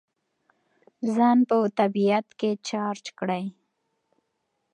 ځان په طبیعت کې چارج کړئ.